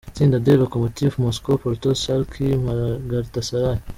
Itsinda D: Lokomotiv Moscow, Porto, Schalke, Galatasaray.